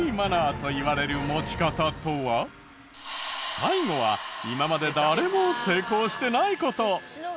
最後は今まで誰も成功してない事。